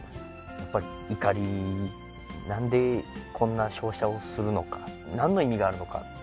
やっぱり怒り、なんでこんな照射をするのか、なんの意味があるのか。